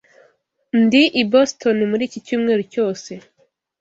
Ndi i Boston muri iki cyumweru cyose.